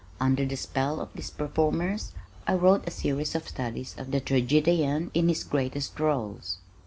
Under the spell of these performers, I wrote a series of studies of the tragedian in his greatest rôles.